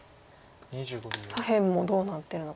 左辺もどうなってるのか。